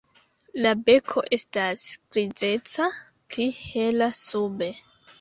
La beko estas grizeca, pli hela sube.